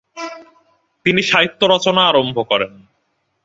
তিনি সাহিত্য রচনা আরম্ভ করেন।